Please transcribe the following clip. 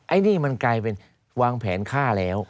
อันนี้มันกลายเป็นวางแผนฆ่าแล้ว